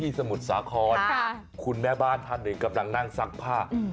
สมุทรสาครคุณแม่บ้านท่านหนึ่งกำลังนั่งซักผ้า